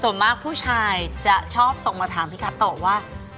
ส่วนมากผู้ชายจะชอบส่งมาถามพี่กัดต่อว่า